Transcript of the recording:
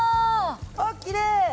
あっきれい！